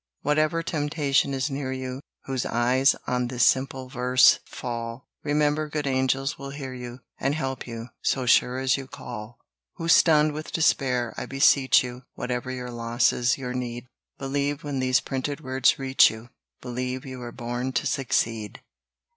Whatever temptation is near you, Whose eyes on this simple verse fall, Remember good angels will hear you, And help you, so sure as you call. Who stunned with despair, I beseech you, Whatever your losses, your need, Believe when these printed words reach you Believe you were born to succeed.